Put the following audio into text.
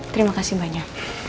terima kasih banyak